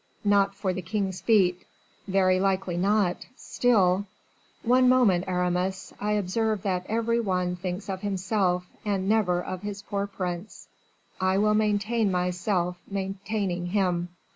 "Not for the king's feet." "Very likely not; still " "One moment, Aramis; I observe that every one thinks of himself, and never of his poor prince; I will maintain myself maintaining him."